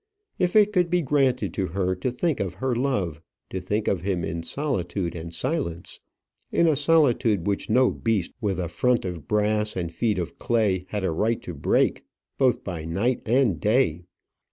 If it could be granted to her to think of her love, to think of him in solitude and silence in a solitude which no beast with a front of brass and feet of clay had a right to break, both by night and day!